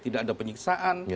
tidak ada penyiksaan